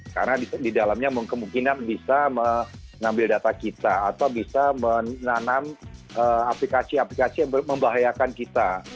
karena di dalamnya kemungkinan bisa mengambil data kita atau bisa menanam aplikasi aplikasi yang membahayakan kita